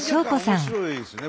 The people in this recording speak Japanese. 面白いですね。